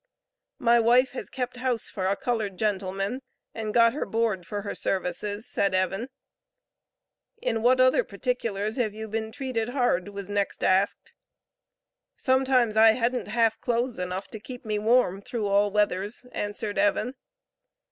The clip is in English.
"My wife has kept house for a colored gentleman, and got her board for her services," said Evan. "In what other particulars have you been treated hard?" was next asked. "Sometimes I hadn't half clothes enough to keep me warm, through all weathers," answered Evan.